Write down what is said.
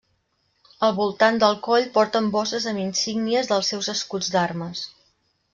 Al voltant del coll porten bosses amb insígnies dels seus escuts d'armes.